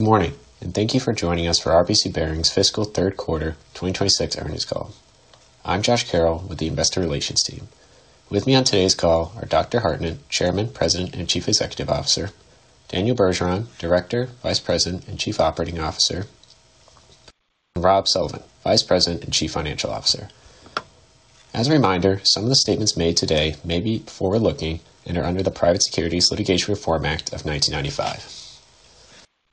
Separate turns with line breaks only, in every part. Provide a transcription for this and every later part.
Good morning, and thank you for joining us for RBC Bearings Fiscal Third Quarter 2026 Earnings Call. I'm Josh Carroll with the investor relations team. With me on today's call are Dr. Hartnett, Chairman, President, and Chief Executive Officer; Daniel Bergeron, Director, Vice President, and Chief Operating Officer; Rob Sullivan, Vice President and Chief Financial Officer. As a reminder, some of the statements made today may be forward-looking and are under the Private Securities Litigation Reform Act of 1995.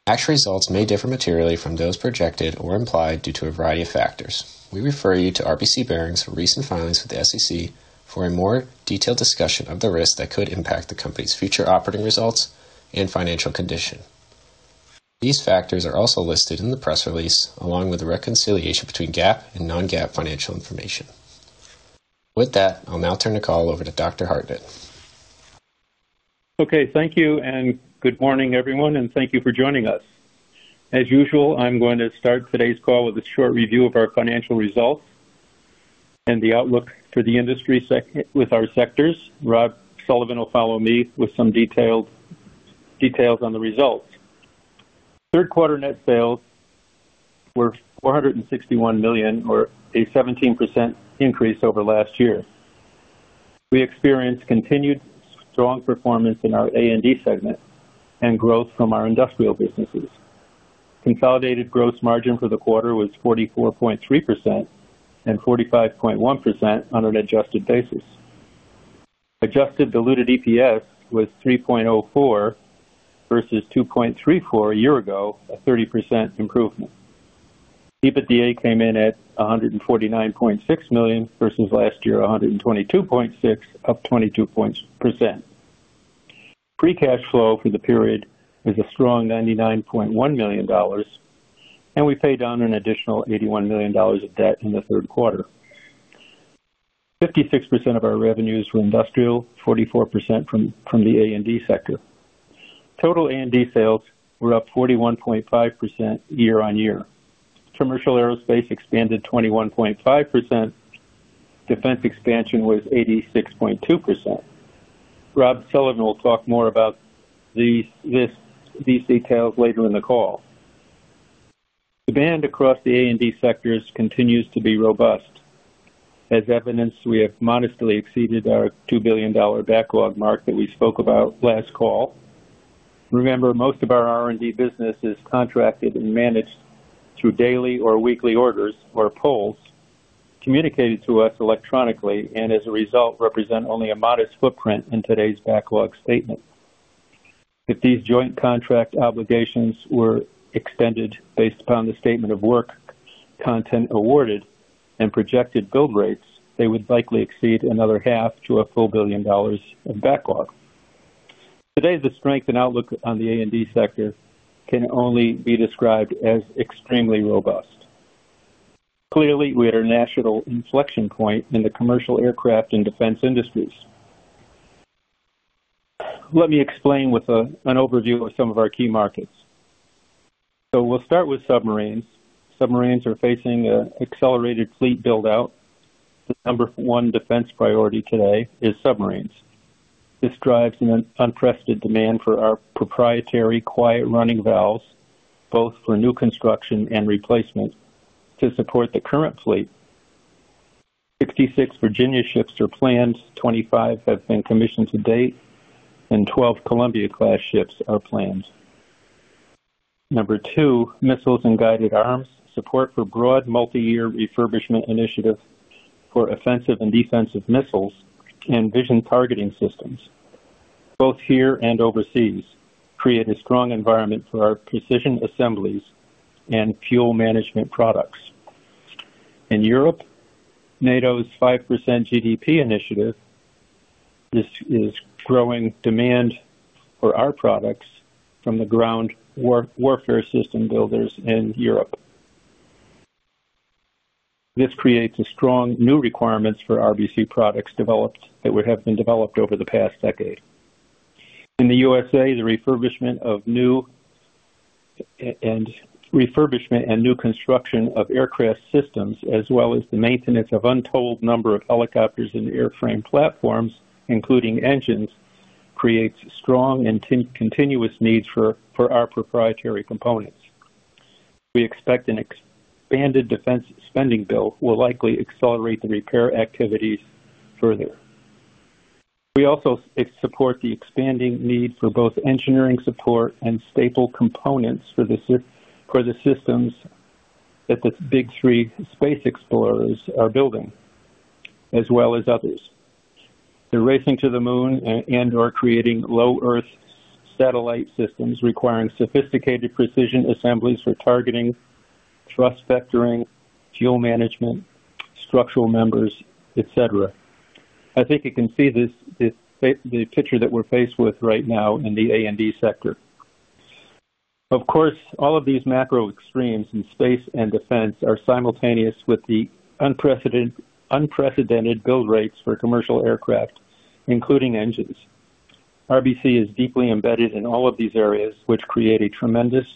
Actual results may differ materially from those projected or implied due to a variety of factors. We refer you to RBC Bearings' recent filings with the SEC for a more detailed discussion of the risks that could impact the company's future operating results and financial condition. These factors are also listed in the press release, along with the reconciliation between GAAP and non-GAAP financial information. With that, I'll now turn the call over to Dr. Hartnett.
Okay, thank you, and good morning, everyone, and thank you for joining us. As usual, I'm going to start today's call with a short review of our financial results and the outlook for the industry with our sectors. Rob Sullivan will follow me with some details on the results. Third quarter net sales were $461 million, or a 17% increase over last year. We experienced continued strong performance in our A&D segment and growth from our industrial businesses. Consolidated gross margin for the quarter was 44.3% and 45.1% on an adjusted basis. Adjusted diluted EPS was 3.04 versus 2.34 a year ago, a 30% improvement. EBITDA came in at $149.6 million versus last year, $122.6 million, up 22%. Free cash flow for the period is a strong $99.1 million, and we paid down an additional $81 million of debt in the third quarter. 56% of our revenues were industrial, 44% from the A&D sector. Total A&D sales were up 41.5% year-on-year. Commercial aerospace expanded 21.5%. Defense expansion was 86.2%. Rob Sullivan will talk more about these details later in the call. Demand across the A&D sectors continues to be robust. As evidenced, we have modestly exceeded our $2 billion backlog mark that we spoke about last call. Remember, most of our R&D business is contracted and managed through daily or weekly orders or pulls communicated to us electronically, and as a result, represent only a modest footprint in today's backlog statement. If these joint contract obligations were extended based upon the statement of work content awarded and projected bill rates, they would likely exceed another $500 million-$1 billion in backlog. Today, the strength and outlook on the A&D sector can only be described as extremely robust. Clearly, we are at a national inflection point in the commercial aircraft and defense industries. Let me explain with an overview of some of our key markets. So we'll start with submarines. Submarines are facing an accelerated fleet build-out. The number one defense priority today is submarines. This drives an unprecedented demand for our proprietary, quiet running valves, both for new construction and replacement to support the current fleet. 66 Virginia-class ships are planned, 25 have been commissioned to date, and 12 Columbia-class ships are planned. Number two, missiles and guided arms. Support for broad, multi-year refurbishment initiatives for offensive and defensive missiles and vision targeting systems, both here and overseas, create a strong environment for our precision assemblies and fuel management products. In Europe, NATO's 5% GDP initiative, this is growing demand for our products from the ground warfare system builders in Europe. This creates a strong new requirements for RBC products developed over the past decade. In the U.S.A., the refurbishment and new construction of aircraft systems, as well as the maintenance of untold number of helicopters and airframe platforms, including engines, creates strong and continuous needs for our proprietary components. We expect an expanded defense spending bill will likely accelerate the repair activities further. We also support the expanding need for both engineering support and staple components for the systems that the Big Three space explorers are building, as well as others. They're racing to the moon and/or creating low Earth satellite systems, requiring sophisticated precision assemblies for targeting, thrust vectoring, fuel management, structural members, et cetera. I think you can see this, the picture that we're faced with right now in the A&D sector. Of course, all of these macro extremes in space and defense are simultaneous with the unprecedented build rates for commercial aircraft, including engines. RBC is deeply embedded in all of these areas, which create a tremendous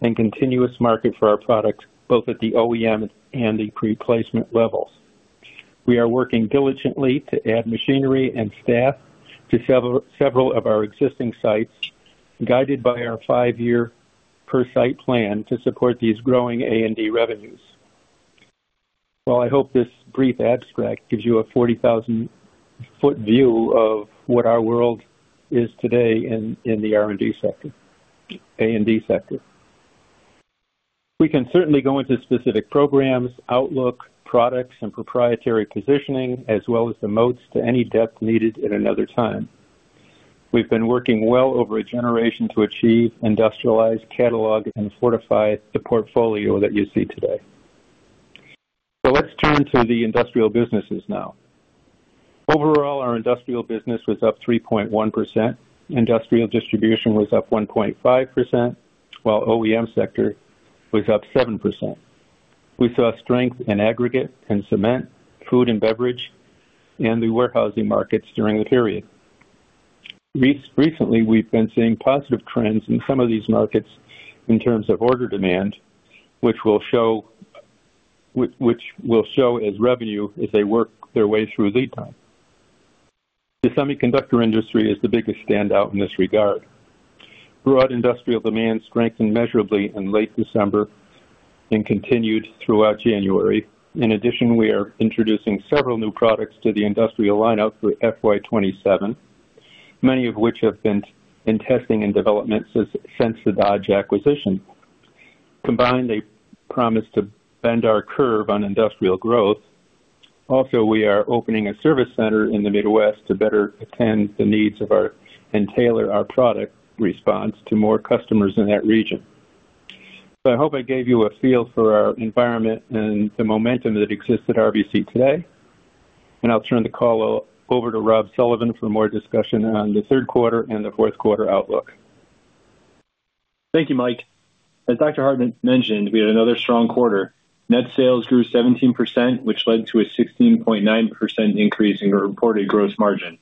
and continuous market for our products, both at the OEM and the replacement levels. We are working diligently to add machinery and staff to several, several of our existing sites, guided by our five-year per site plan to support these growing A&D revenues. Well, I hope this brief abstract gives you a 40,000-foot view of what our world is today in the A&D sector. We can certainly go into specific programs, outlook, products, and proprietary positioning, as well as the moats to any depth needed at another time. We've been working well over a generation to achieve industrialized catalog and fortify the portfolio that you see today. So let's turn to the industrial businesses now. Overall, our industrial business was up 3.1%. Industrial distribution was up 1.5%, while OEM sector was up 7%. We saw strength in aggregate and cement, food and beverage, and the warehousing markets during the period. Recently, we've been seeing positive trends in some of these markets in terms of order demand, which will show as revenue as they work their way through lead time. The semiconductor industry is the biggest standout in this regard. Broad industrial demand strengthened measurably in late December and continued throughout January. In addition, we are introducing several new products to the industrial lineup through FY 2027, many of which have been in testing and development since the Dodge acquisition. Combined, they promise to bend our curve on industrial growth. Also, we are opening a service center in the Midwest to better attend the needs of our... And tailor our product response to more customers in that region. So I hope I gave you a feel for our environment and the momentum that exists at RBC today, and I'll turn the call over to Rob Sullivan for more discussion on the third quarter and the fourth quarter outlook.
Thank you, Mike. As Dr. Hartnett mentioned, we had another strong quarter. Net sales grew 17%, which led to a 16.9% increase in reported gross margin.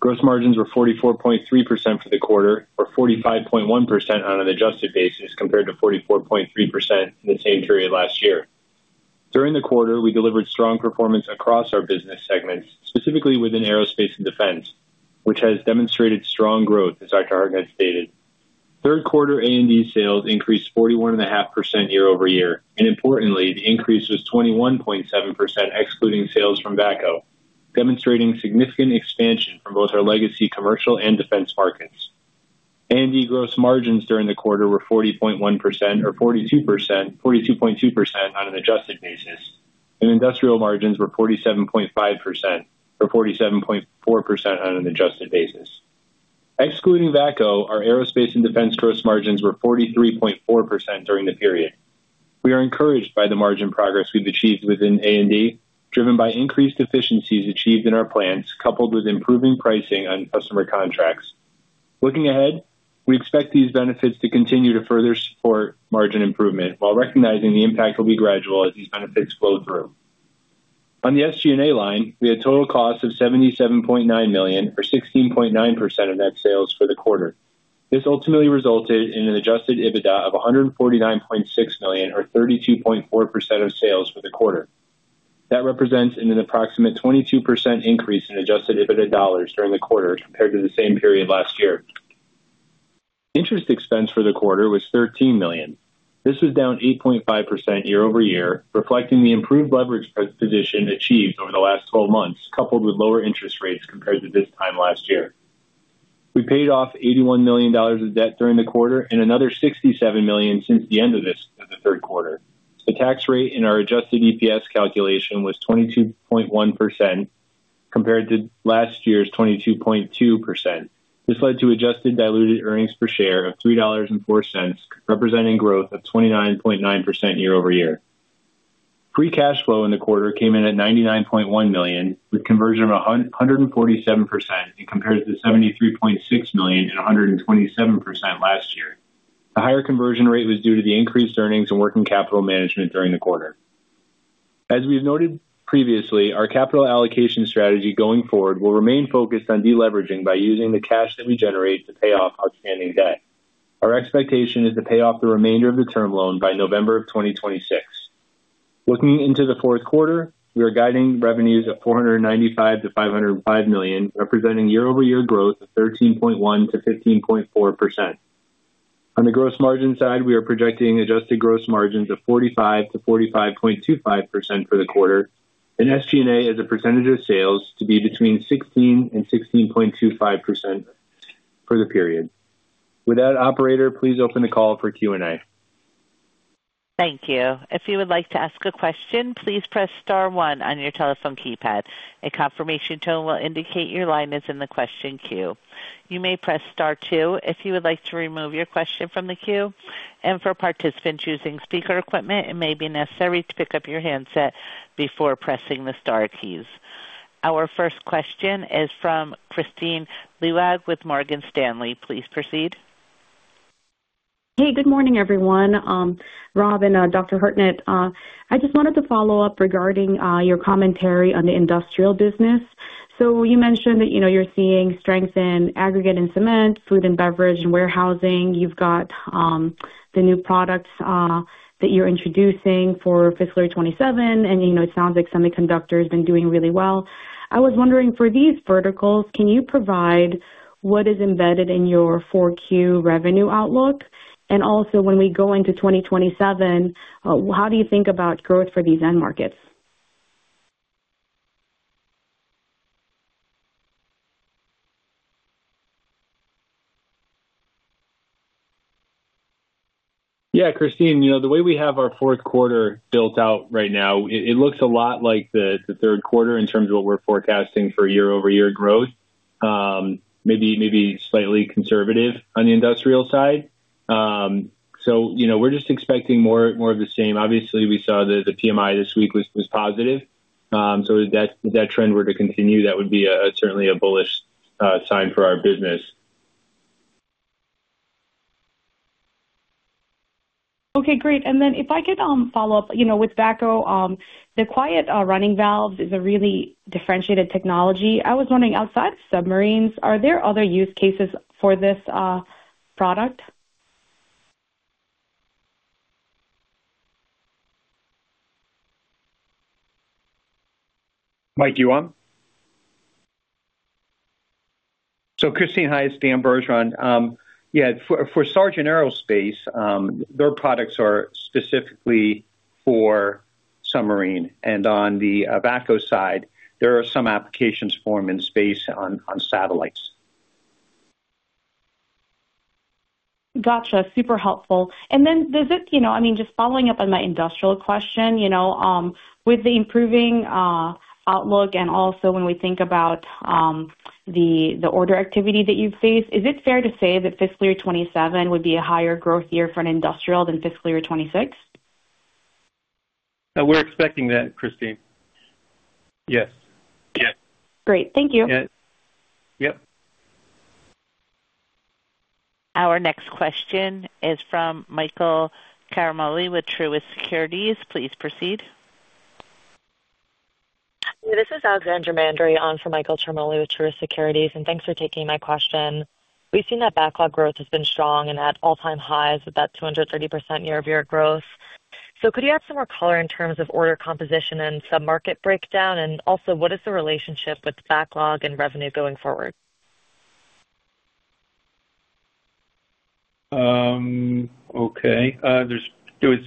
Gross margins were 44.3% for the quarter, or 45.1% on an adjusted basis, compared to 44.3% in the same period last year. During the quarter, we delivered strong performance across our business segments, specifically within aerospace and defense, which has demonstrated strong growth, as Dr. Hartnett stated. Third quarter A&D sales increased 41.5% year-over-year, and importantly, the increase was 21.7%, excluding sales from VACCO, demonstrating significant expansion from both our legacy, commercial, and defense markets. A&D gross margins during the quarter were 40.1% or 42%, 42.2% on an adjusted basis, and industrial margins were 47.5%, or 47.4% on an adjusted basis. Excluding VACCO, our aerospace and defense gross margins were 43.4% during the period. We are encouraged by the margin progress we've achieved within A&D, driven by increased efficiencies achieved in our plants, coupled with improving pricing on customer contracts. Looking ahead, we expect these benefits to continue to further support margin improvement while recognizing the impact will be gradual as these benefits flow through. On the SG&A line, we had total costs of $77.9 million, or 16.9% of net sales for the quarter. This ultimately resulted in an adjusted EBITDA of $149.6 million, or 32.4% of sales for the quarter. That represents an approximate 22% increase in adjusted EBITDA dollars during the quarter compared to the same period last year. Interest expense for the quarter was $13 million. This was down 8.5% year-over-year, reflecting the improved leverage position achieved over the last 12 months, coupled with lower interest rates compared to this time last year. We paid off $81 million of debt during the quarter and another $67 million since the end of this, the third quarter. The tax rate in our adjusted EPS calculation was 22.1%, compared to last year's 22.2%. This led to adjusted diluted earnings per share of $3.04, representing growth of 29.9% year-over-year. Free cash flow in the quarter came in at $99.1 million, with conversion of 147% and compared to $73.6 million and 127% last year. The higher conversion rate was due to the increased earnings and working capital management during the quarter. As we've noted previously, our capital allocation strategy going forward will remain focused on deleveraging by using the cash that we generate to pay off our standing debt. Our expectation is to pay off the remainder of the term loan by November 2026. Looking into the fourth quarter, we are guiding revenues of $495 million-$505 million, representing year-over-year growth of 13.1%-15.4%. On the gross margin side, we are projecting adjusted gross margins of 45%-45.25% for the quarter, and SG&A, as a percentage of sales, to be between 16%-16.25% for the period. With that, operator, please open the call for Q&A.
Thank you. If you would like to ask a question, please press star one on your telephone keypad. A confirmation tone will indicate your line is in the question queue. You may press star two if you would like to remove your question from the queue. For participants using speaker equipment, it may be necessary to pick up your handset before pressing the star keys. Our first question is from Kristine Liwag with Morgan Stanley. Please proceed.
Hey, good morning, everyone, Rob and Dr. Hartnett. I just wanted to follow up regarding your commentary on the industrial business.... So you mentioned that, you know, you're seeing strength in aggregate and cement, food and beverage, and warehousing. You've got, the new products, that you're introducing for fiscal 2027, and you know, it sounds like semiconductor has been doing really well. I was wondering, for these verticals, can you provide what is embedded in your 4Q revenue outlook? And also, when we go into 2027, how do you think about growth for these end markets?
Yeah, Kristine, you know, the way we have our fourth quarter built out right now, it looks a lot like the third quarter in terms of what we're forecasting for year-over-year growth. Maybe slightly conservative on the industrial side. So, you know, we're just expecting more of the same. Obviously, we saw that the PMI this week was positive. So if that trend were to continue, that would be certainly a bullish sign for our business.
Okay, great. And then if I could, follow up, you know, with VACCO, the quiet running valve is a really differentiated technology. I was wondering, outside of submarines, are there other use cases for this product?
Mike, you on? So Christine, hi, it's Dan Bergeron. Yeah, for Sargent Aerospace, their products are specifically for submarine, and on the VACCO side, there are some applications for them in space on satellites.
Gotcha. Super helpful. And then is it, you know, I mean, just following up on my industrial question, you know, with the improving outlook, and also when we think about the order activity that you've faced, is it fair to say that fiscal year 2027 would be a higher growth year for an industrial than fiscal year 2026?
We're expecting that, Kristine. Yes. Yes.
Great. Thank you.
Yeah. Yep.
Our next question is from Michael Ciarmoli with Truist Securities. Please proceed.
This is Alexandra Mandery on for Michael Ciarmoli with Truist Securities, and thanks for taking my question. We've seen that backlog growth has been strong and at all-time highs with that 230% year-over-year growth. So could you add some more color in terms of order composition and submarket breakdown? And also, what is the relationship with backlog and revenue going forward?
Okay. There was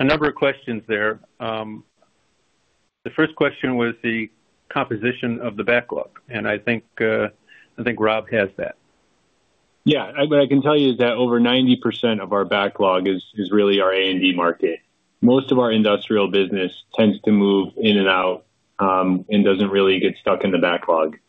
a number of questions there. The first question was the composition of the backlog, and I think Rob has that.
Yeah. What I can tell you is that over 90% of our backlog is really our A&D market. Most of our industrial business tends to move in and out, and doesn't really get stuck in the backlog. And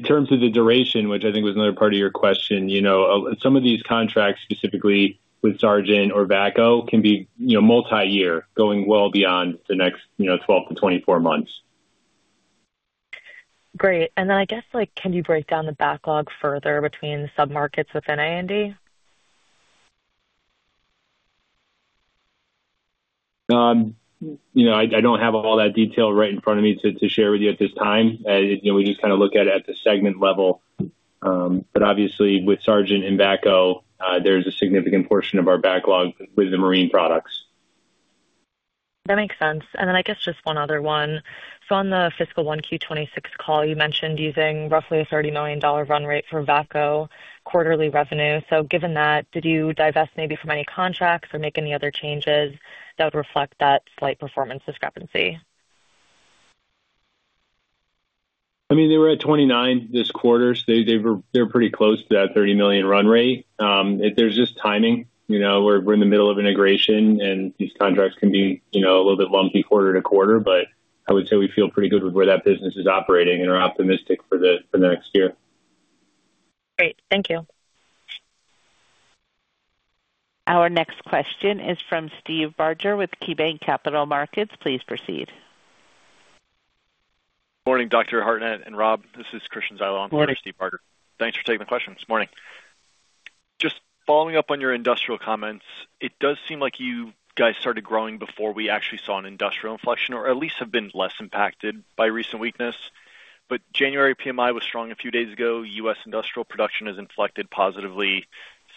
in terms of the duration, which I think was another part of your question, you know, some of these contracts, specifically with Sargent or VACCO, can be, you know, multiyear, going well beyond the next, you know, 12-24 months.
Great. And then I guess, like, can you break down the backlog further between submarkets within A&D?
You know, I don't have all that detail right in front of me to share with you at this time. You know, we just kind of look at it at the segment level. But obviously, with Sargent and VACCO, there's a significant portion of our backlog with the marine products.
That makes sense. And then I guess just one other one. So on the fiscal 1Q 2026 call, you mentioned using roughly a $30 million run rate for VACCO quarterly revenue. So given that, did you divest maybe from any contracts or make any other changes that would reflect that slight performance discrepancy?
I mean, they were at $29 million this quarter, so they, they were, they're pretty close to that $30 million run rate. If there's just timing, you know, we're, we're in the middle of integration, and these contracts can be, you know, a little bit lumpy quarter to quarter, but I would say we feel pretty good with where that business is operating and are optimistic for the, for the next year.
Great. Thank you.
Our next question is from Steve Barger with KeyBanc Capital Markets. Please proceed.
Morning, Dr. Hartnett and Rob. This is Christian Zyla.
Morning.
Thanks for taking the question. Morning. Just following up on your industrial comments, it does seem like you guys started growing before we actually saw an industrial inflection, or at least have been less impacted by recent weakness. But January PMI was strong a few days ago. U.S. industrial production has inflected positively.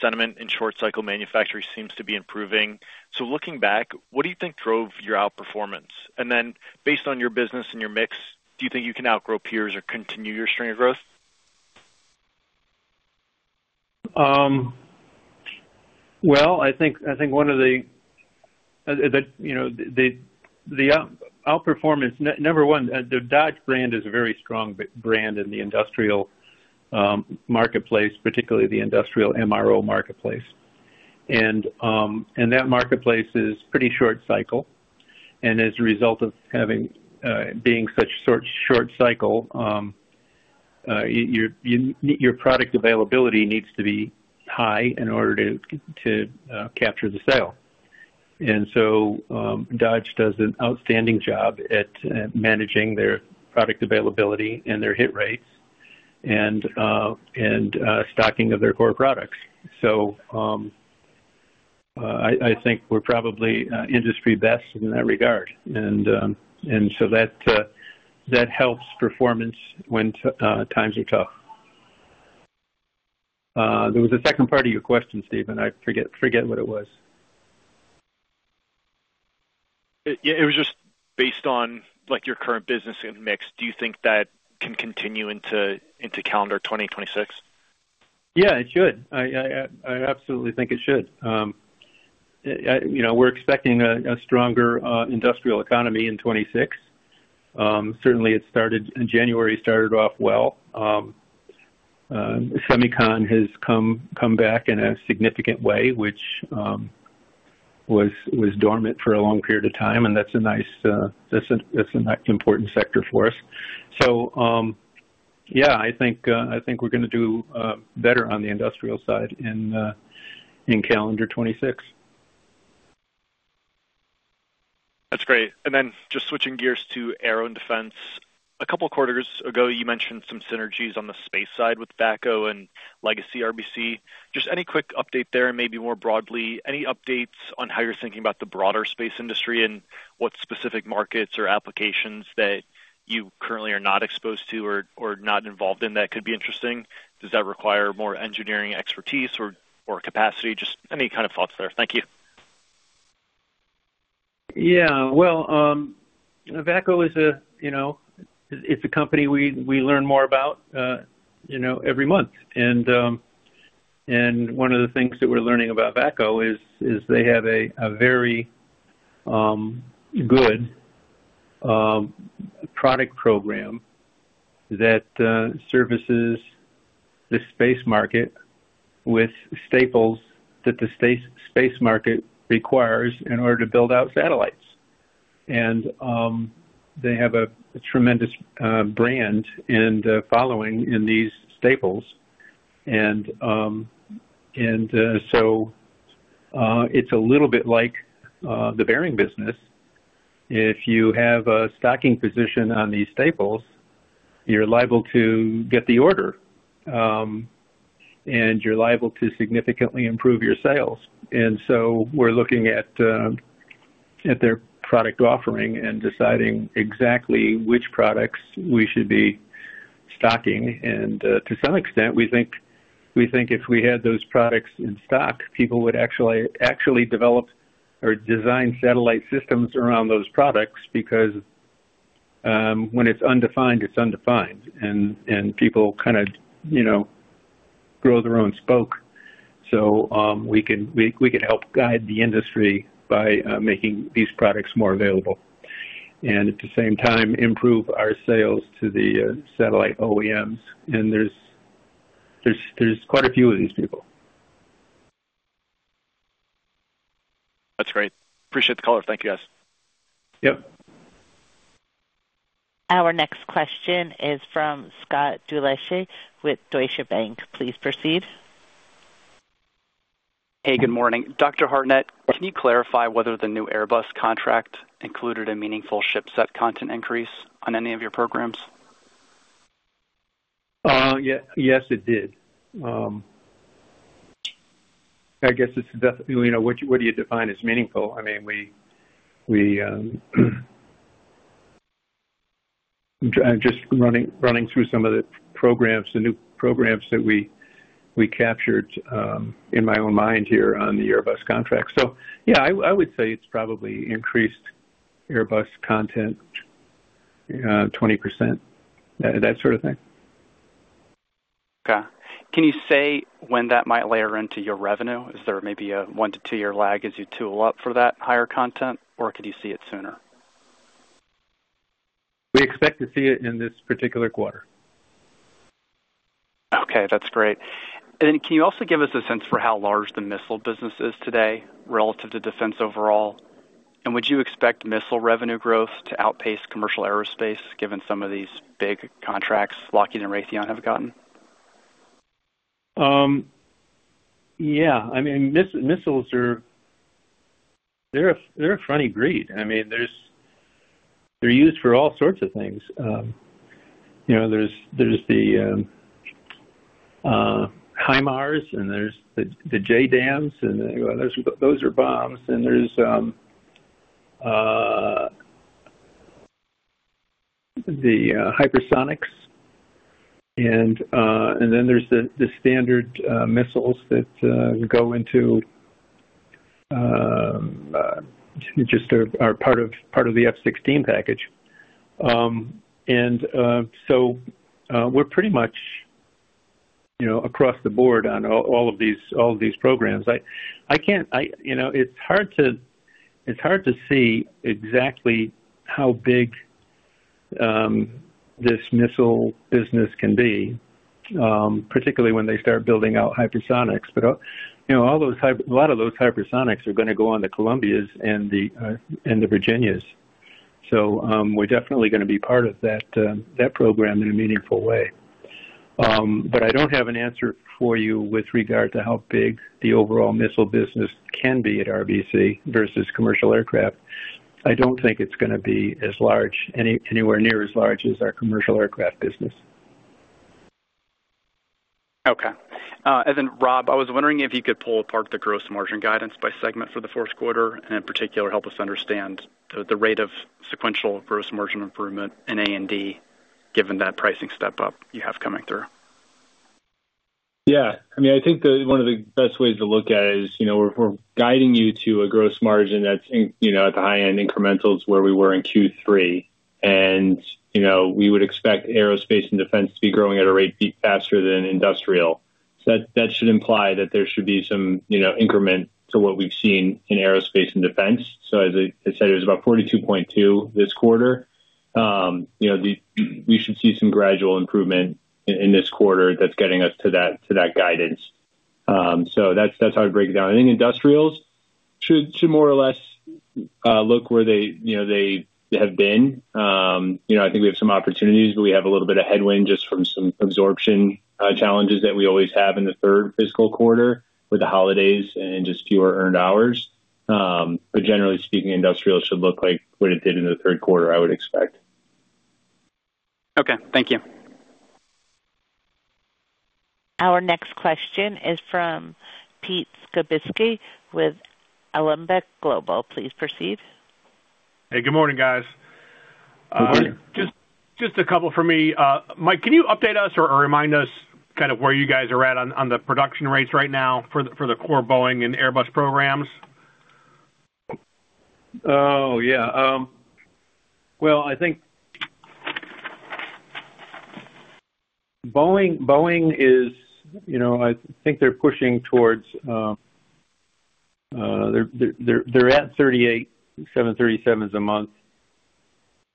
Sentiment in short cycle manufacturing seems to be improving. So looking back, what do you think drove your outperformance? And then based on your business and your mix, do you think you can outgrow peers or continue your strain of growth?
Well, I think one of the, you know, the outperformance, number one, the Dodge brand is a very strong brand in the industrial marketplace, particularly the industrial MRO marketplace. And that marketplace is pretty short cycle, and as a result of being such short cycle, your product availability needs to be high in order to capture the sale. And so, Dodge does an outstanding job at managing their product availability and their hit rates and stocking of their core products. So, I think we're probably industry best in that regard. And so that helps performance when times are tough. There was a second part of your question, Stephen. I forget what it was.
Yeah, it was just based on, like, your current business and mix, do you think that can continue into, into calendar 2026?
Yeah, it should. I absolutely think it should. You know, we're expecting a stronger industrial economy in 2026. Certainly, it started in January, started off well. Semicon has come back in a significant way, which was dormant for a long period of time, and that's an important sector for us. So, yeah, I think we're gonna do better on the industrial side in calendar 2026.
That's great. And then just switching gears to aero and defense. A couple of quarters ago, you mentioned some synergies on the space side with VACCO and Legacy RBC. Just any quick update there, and maybe more broadly, any updates on how you're thinking about the broader space industry and what specific markets or applications that you currently are not exposed to or, or not involved in, that could be interesting? Does that require more engineering expertise or, or capacity? Just any kind of thoughts there. Thank you.
Yeah, well, VACCO is a, you know, it's a company we learn more about, you know, every month. And one of the things that we're learning about VACCO is they have a very good product program that services the space market with staples that the space market requires in order to build out satellites. And they have a tremendous brand and following in these staples. And so it's a little bit like the bearing business. If you have a stocking position on these staples, you're liable to get the order, and you're liable to significantly improve your sales. And so we're looking at their product offering and deciding exactly which products we should be stocking. And, to some extent, we think, we think if we had those products in stock, people would actually, actually develop or design satellite systems around those products, because, when it's undefined, it's undefined, and, and people kinda, you know, grow their own spoke. So, we can, we, we can help guide the industry by, making these products more available, and at the same time, improve our sales to the, satellite OEMs. And there's, there's, there's quite a few of these people.
That's great. Appreciate the call. Thank you, guys.
Yep.
Our next question is from Scott Deuschle with Deutsche Bank. Please proceed.
Hey, good morning. Dr. Hartnett, can you clarify whether the new Airbus contract included a meaningful ship set content increase on any of your programs?
Yeah. Yes, it did. I guess it's definitely, you know, what do you, what do you define as meaningful? I mean, we just running through some of the programs, the new programs that we captured, in my own mind here on the Airbus contract. So, yeah, I would say it's probably increased Airbus content, 20%, that sort of thing.
Okay. Can you say when that might layer into your revenue? Is there maybe a one to two-year lag as you tool up for that higher content, or could you see it sooner?
We expect to see it in this particular quarter.
Okay, that's great. Can you also give us a sense for how large the missile business is today relative to defense overall? Would you expect missile revenue growth to outpace commercial aerospace, given some of these big contracts Lockheed and Raytheon have gotten?
Yeah. I mean, missiles are, they're a funny breed. I mean, there's the HIMARS, and there's the JDAMs, and those are bombs. And there's the hypersonics, and then there's the standard missiles that go into just are part of the F-16 package. And so we're pretty much, you know, across the board on all of these programs. I can't... I, you know, it's hard to see exactly how big this missile business can be, particularly when they start building out hypersonics. But, you know, a lot of those hypersonics are gonna go on the Columbia-class and the, and the Virginia-class. So, we're definitely gonna be part of that, that program in a meaningful way. But I don't have an answer for you with regard to how big the overall missile business can be at RBC versus commercial aircraft.... I don't think it's gonna be as large, any, anywhere near as large as our commercial aircraft business.
Okay. And then, Rob, I was wondering if you could pull apart the gross margin guidance by segment for the fourth quarter, and in particular, help us understand the, the rate of sequential gross margin improvement in A&D, given that pricing step up you have coming through.
Yeah, I mean, I think the one of the best ways to look at it is, you know, we're guiding you to a gross margin that's, you know, at the high end incrementals, where we were in Q3. And, you know, we would expect aerospace and defense to be growing at a rate faster than industrial. So that should imply that there should be some, you know, increment to what we've seen in aerospace and defense. So as I said, it was about 42.2 this quarter. You know, we should see some gradual improvement in this quarter that's getting us to that guidance. So that's how I break it down. I think industrials should more or less look where they, you know, they have been. You know, I think we have some opportunities, but we have a little bit of headwind just from some absorption challenges that we always have in the third fiscal quarter with the holidays and just fewer earned hours. But generally speaking, industrial should look like what it did in the third quarter, I would expect.
Okay, thank you.
Our next question is from Pete Skibitski with Alembic Global. Please proceed.
Hey, good morning, guys.
Good morning.
Just a couple for me. Mike, can you update us or remind us kind of where you guys are at on the production rates right now for the core Boeing and Airbus programs?
Oh, yeah. Well, I think... Boeing, Boeing is, you know, I think they're pushing towards, they're at 38, 737s a month,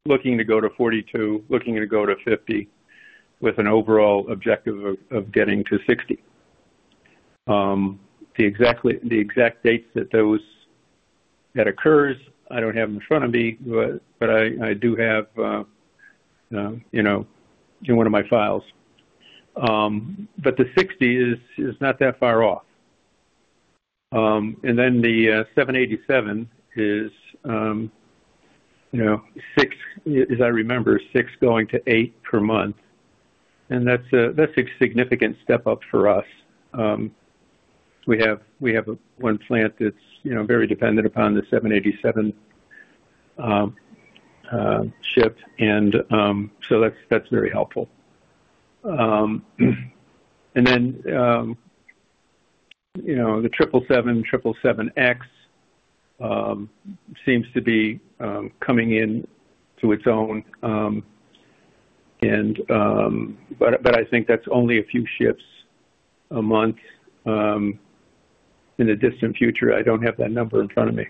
looking to go to 42, looking to go to 50, with an overall objective of, of getting to 60. The exact dates that those, that occurs, I don't have in front of me, but, but I, I do have, you know, in one of my files. But the 60 is, is not that far off. And then the, 787 is, you know, six, as I remember, six going to eight per month, and that's a, that's a significant step up for us. We have, we have one plant that's, you know, very dependent upon the 787, ship, and, so that's, that's very helpful. And then, you know, the 777, 777X seems to be coming into its own, and... But I think that's only a few shifts a month, in the distant future. I don't have that number in front of me.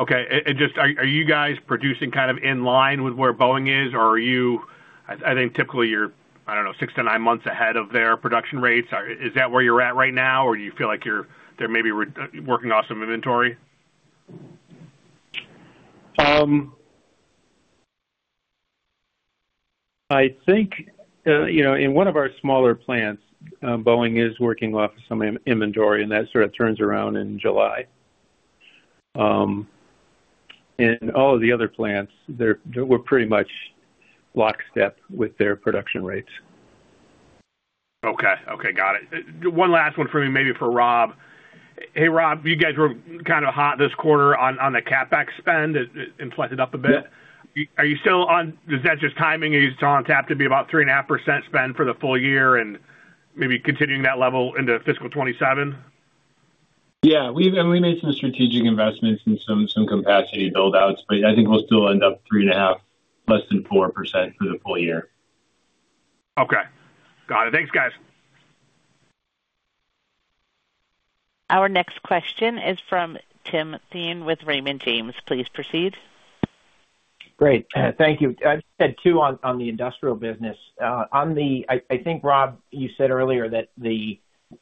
Okay. And just, are you guys producing kind of in line with where Boeing is, or are you? I think typically you're, I don't know, six to nine months ahead of their production rates. Is that where you're at right now, or do you feel like there may be reworking off some inventory?
I think, you know, in one of our smaller plants, Boeing is working off some inventory, and that sort of turns around in July. In all of the other plants, we're pretty much lockstep with their production rates.
Okay. Okay, got it. One last one for me, maybe for Rob. Hey, Rob, you guys were kind of hot this quarter on the CapEx spend, it inflated up a bit.
Yep.
Are you still on...? Is that just timing? Are you still on tap to be about 3.5% spend for the full year and maybe continuing that level into fiscal 2027?
Yeah, and we made some strategic investments and some capacity buildouts, but I think we'll still end up 3.5%, less than 4% for the full year.
Okay, got it. Thanks, guys.
Our next question is from Tim Thein with Raymond James. Please proceed.
Great. Thank you. I've said too on the industrial business. I think, Rob, you said earlier that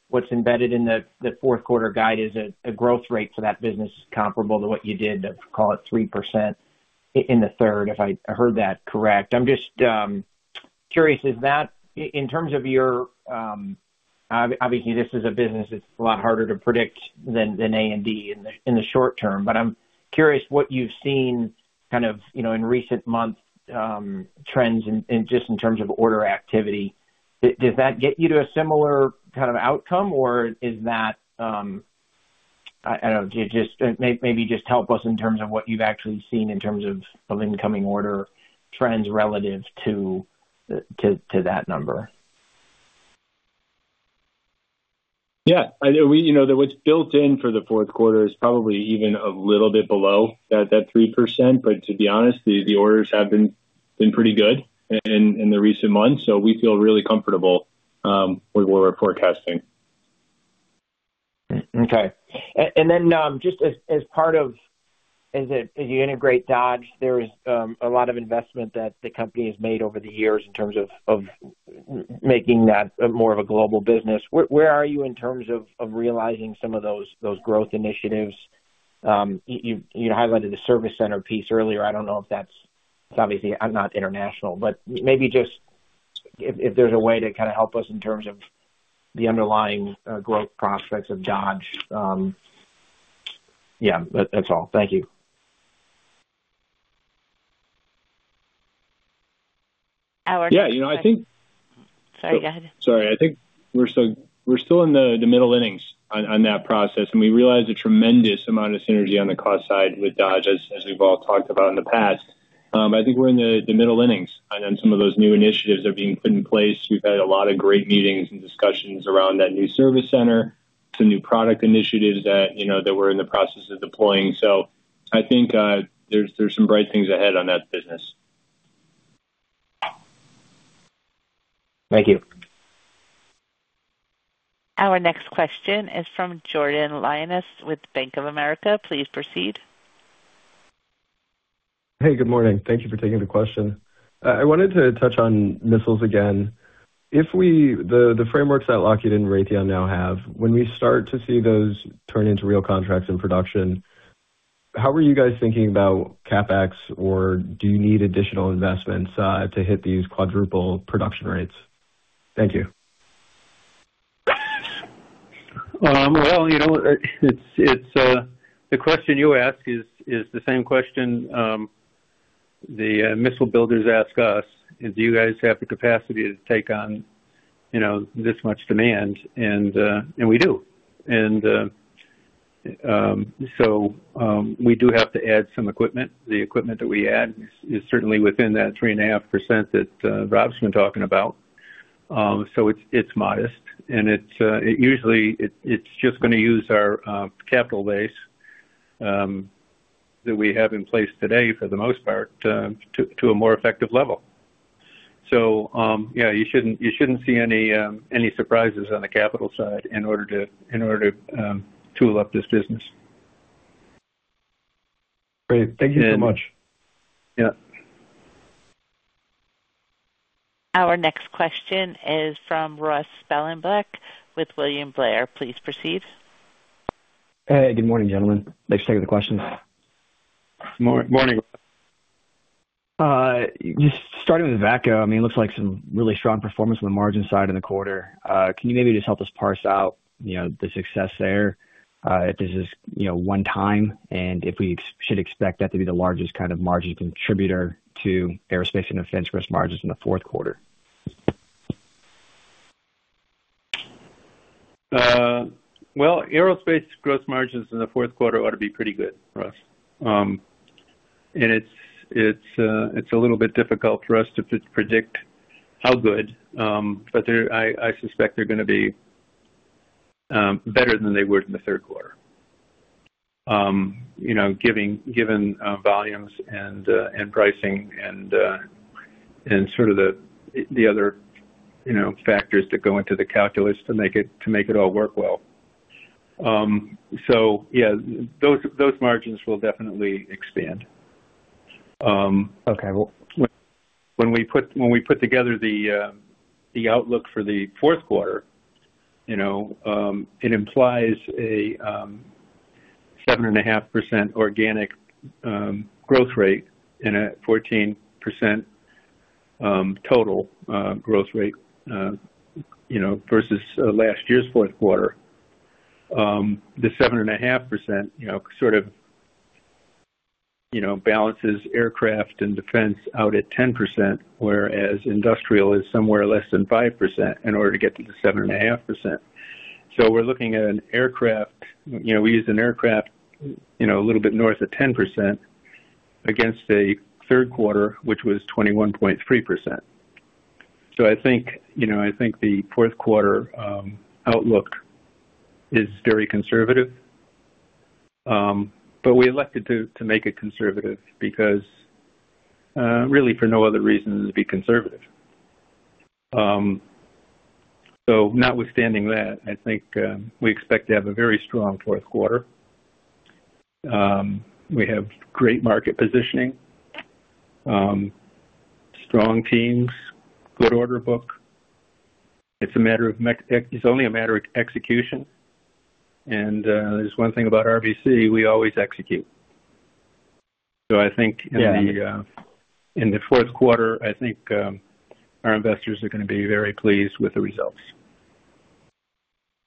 what's embedded in the fourth quarter guide is a growth rate for that business comparable to what you did, call it 3%, in the third, if I heard that correct. I'm just curious. Is that in terms of your, obviously, this is a business that's a lot harder to predict than A&D in the short term, but I'm curious what you've seen kind of, you know, in recent months, trends in just in terms of order activity. Does that get you to a similar kind of outcome, or is that, I don't know, just maybe just help us in terms of what you've actually seen in terms of incoming order trends relative to that number?
Yeah. I know, we, you know, what's built in for the fourth quarter is probably even a little bit below that 3%. But to be honest, the orders have been pretty good in the recent months, so we feel really comfortable with what we're forecasting.
Okay. And then, just as part of it, as you integrate Dodge, there is a lot of investment that the company has made over the years in terms of making that more of a global business. Where are you in terms of realizing some of those growth initiatives? You highlighted the service center piece earlier. I don't know if that's, obviously, I'm not international, but maybe just- ... if there's a way to kind of help us in terms of the underlying growth prospects of Dodge. Yeah, that's all. Thank you.
Our-
Yeah, you know, I think-
Sorry, go ahead.
Sorry. I think we're still in the middle innings on that process, and we realize a tremendous amount of synergy on the cost side with Dodge, as we've all talked about in the past. I think we're in the middle innings, and then some of those new initiatives are being put in place. We've had a lot of great meetings and discussions around that new service center, some new product initiatives that, you know, that we're in the process of deploying. So I think there's some bright things ahead on that business.
Thank you.
Our next question is from Jordan Lyonnais with Bank of America. Please proceed.
Hey, good morning. Thank you for taking the question. I wanted to touch on missiles again. If the frameworks that Lockheed and Raytheon now have, when we start to see those turn into real contracts in production, how are you guys thinking about CapEx, or do you need additional investments, to hit these quadruple production rates? Thank you.
Well, you know, it's the question you ask is the same question the missile builders ask us: do you guys have the capacity to take on, you know, this much demand? And we do. And so we do have to add some equipment. The equipment that we add is certainly within that 3.5% that Rob's been talking about. So it's modest, and it's usually just gonna use our capital base that we have in place today, for the most part, to a more effective level. So yeah, you shouldn't see any surprises on the capital side in order to tool up this business.
Great. Thank you so much.
Yeah.
Our next question is from Ross Sparenblek with William Blair. Please proceed.
Hey, good morning, gentlemen. Thanks for taking the question.
Morning.
Morning.
Just starting with VACCO, I mean, it looks like some really strong performance on the margin side in the quarter. Can you maybe just help us parse out, you know, the success there? If this is, you know, one time, and if we should expect that to be the largest kind of margin contributor to Aerospace and Defense gross margins in the fourth quarter.
Well, Aerospace gross margins in the fourth quarter ought to be pretty good, Ross. And it's a little bit difficult for us to predict how good, but I suspect they're gonna be better than they were in the third quarter. You know, given volumes and pricing and sort of the other, you know, factors that go into the calculus to make it all work well. So yeah, those margins will definitely expand.
Okay.
When we put together the outlook for the fourth quarter, you know, it implies a 7.5% organic growth rate and a 14% total growth rate, you know, versus last year's fourth quarter. The 7.5%, you know, sort of, you know, balances aircraft and defense out at 10%, whereas industrial is somewhere less than 5% in order to get to the 7.5%. So we're looking at an aircraft, you know, a little bit north of 10% against a third quarter, which was 21.3%. So I think, you know, I think the fourth quarter outlook is very conservative. But we elected to make it conservative because, really for no other reason than to be conservative. So notwithstanding that, I think we expect to have a very strong fourth quarter. We have great market positioning, strong teams, good order book. It's only a matter of execution, and there's one thing about RBC, we always execute. So I think in the fourth quarter, I think our investors are gonna be very pleased with the results.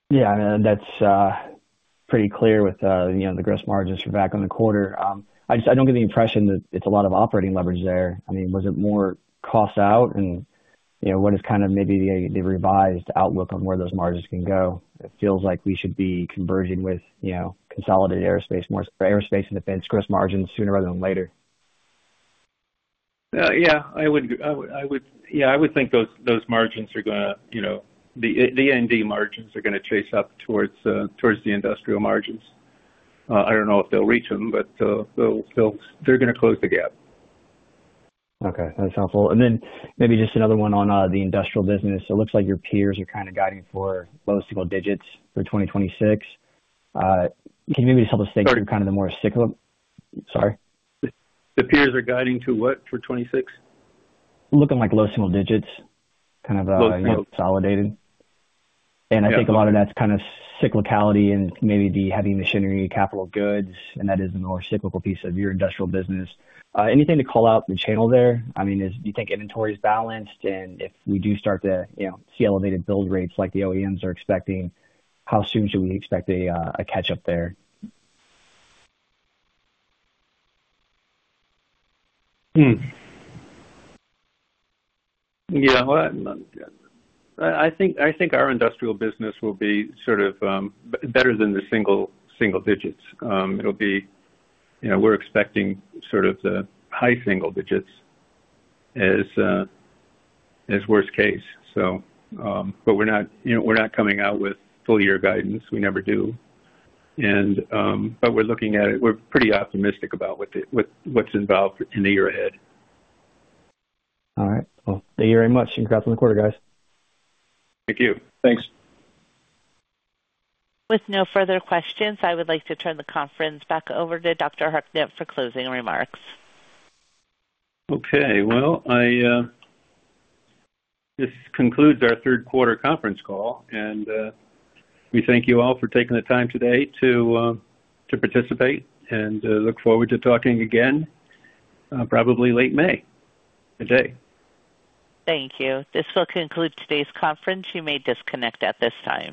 Yeah, and that's pretty clear with, you know, the gross margins for backlog on the quarter. I just don't get the impression that it's a lot of operating leverage there. I mean, was it more cost out? And, you know, what is kind of maybe the, the revised outlook on where those margins can go? It feels like we should be converging with, you know, consolidated aerospace more- Aerospace and Defense gross margins sooner rather than later.
Yeah, I would think those margins are gonna, you know, the A&D margins are gonna chase up towards the industrial margins. I don't know if they'll reach them, but they're gonna close the gap.
Okay, that's helpful. Then maybe just another one on the industrial business. It looks like your peers are kind of guiding for low single digits for 2026. Can you maybe just help us think through kind of the more cyclical- Sorry?
The peers are guiding to what for 2026?
Looking like low single digits, kind of,
Low.
Consolidated. And I think a lot of that's kind of cyclicality and maybe the heavy machinery, capital goods, and that is the more cyclical piece of your industrial business. Anything to call out in the channel there? I mean, do you think inventory is balanced? And if we do start to, you know, see elevated build rates like the OEMs are expecting, how soon should we expect a catch-up there?
Yeah, well, I think our industrial business will be sort of better than the single digits. It'll be... You know, we're expecting sort of the high single digits as worst case. So, but we're not, you know, we're not coming out with full year guidance. We never do. And, but we're looking at it. We're pretty optimistic about what's involved in the year ahead.
All right. Well, thank you very much, and congrats on the quarter, guys.
Thank you. Thanks.
With no further questions, I would like to turn the conference back over to Dr. Hartnett for closing remarks.
Okay, well, this concludes our third quarter conference call, and we thank you all for taking the time today to participate, and look forward to talking again, probably late May. Good day.
Thank you. This will conclude today's conference. You may disconnect at this time.